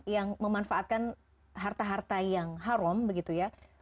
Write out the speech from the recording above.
yang memanfaatkan harta harta yang haram begitu ya